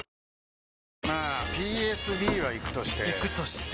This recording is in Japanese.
まあＰＳＢはイクとしてイクとして？